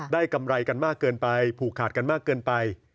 กำไรกันมากเกินไปผูกขาดกันมากเกินไป